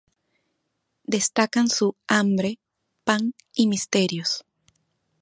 Destacan su "Hambre", "Pan" y "Misterios".